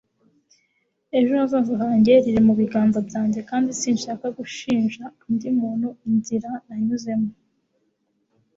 ejo hazaza hanjye riri mu biganza byanjye kandi sinshaka gushinja undi muntu inzira nanyuzemo